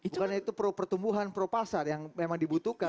bukan itu pro pertumbuhan pro pasar yang memang dibutuhkan